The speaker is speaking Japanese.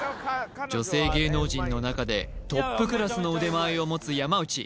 女性芸能人の中でトップクラスの腕前を持つ山内